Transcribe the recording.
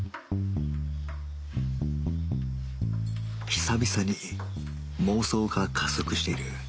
久々に妄想が加速している